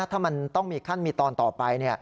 ถ้ามันต้องมีขั้นมีตอนต่อไป